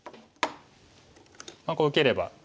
こう受ければ。